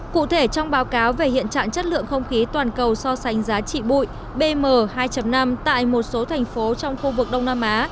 cụ thể trong báo cáo về hiện trạng chất lượng không khí toàn cầu so sánh giá trị bụi bm hai năm tại một số thành phố trong khu vực đông nam á